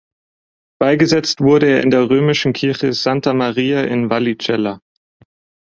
Beigesetzt wurde er in der römischen Kirche "Santa Maria in Vallicella".